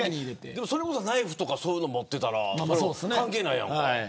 でも、それこそナイフとかそういうもの持っていたら関係ないやんか。